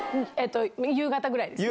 夕方ぐらい？